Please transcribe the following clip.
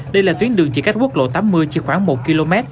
đây là tuyến đường chỉ cách quốc lộ tám mươi chỉ khoảng một km